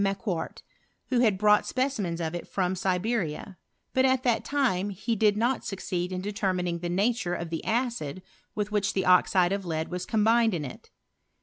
Macqcait, who had bron^it specimens of it from Siberia; but at that time he did not succeed in detennining the nature of tbe acid with which the oxide of lead was combined in it.